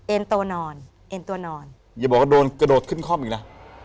เอ่นตัวนอนเดี๋ยวบอกก็โดนกระโดดขึ้นครอบอีกนะ